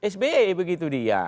sbe begitu dia